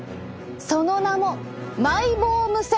その名もマイボーム腺！